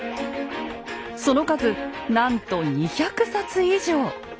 その数なんと２００冊以上。